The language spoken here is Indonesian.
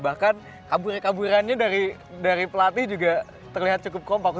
bahkan kabur kaburannya dari pelatih juga terlihat cukup kompak